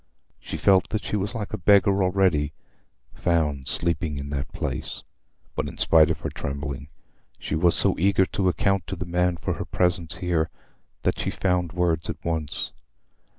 She felt that she was like a beggar already—found sleeping in that place. But in spite of her trembling, she was so eager to account to the man for her presence here, that she found words at once.